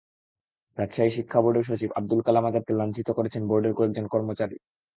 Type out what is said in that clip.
রাজশাহী শিক্ষা বোর্ডের সচিব আবুল কালাম আজাদকে লাঞ্ছিত করেছেন বোর্ডের কয়েকজন কর্মচারী।